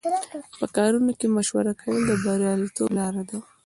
په کارونو کې مشوره کول د بریالیتوب لاره ده.